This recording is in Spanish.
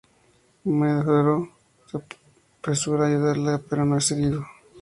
Medoro se apresura a ayudarla, pero es herido.